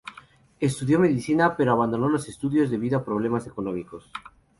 Estudió medicina, pero abandonó los estudios debido a problemas económicos.